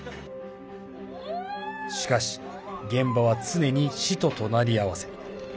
しかし、現場は常に死と隣り合わせ。